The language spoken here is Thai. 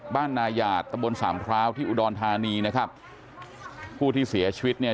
นายาดตะบนสามพร้าวที่อุดรธานีนะครับผู้ที่เสียชีวิตเนี่ย